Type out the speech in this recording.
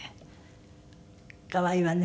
可愛いわね。